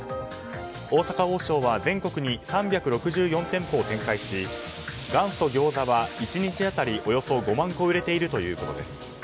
大阪王将は全国に３６４店舗を展開し元祖餃子は１日当たりおよそ５万個売れているということです。